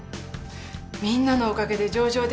みんなのおかげで上場できた。